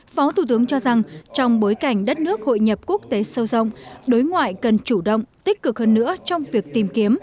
phó thủ tướng cho rằng trong bối cảnh đất nước hội nhập quốc tế sâu rộng đối ngoại cần chủ động tích cực hơn nữa trong việc tìm kiếm